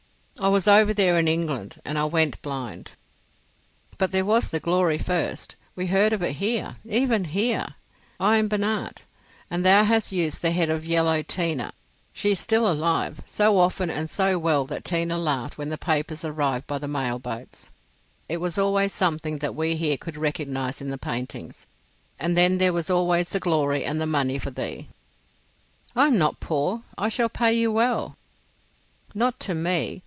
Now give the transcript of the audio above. "I was over there in England and I went blind." "But there was the glory first. We heard of it here, even here—I and Binat; and thou hast used the head of Yellow "Tina—she is still alive—so often and so well that "Tina laughed when the papers arrived by the mail boats. It was always something that we here could recognise in the paintings. And then there was always the glory and the money for thee." "I am not poor—I shall pay you well." "Not to me.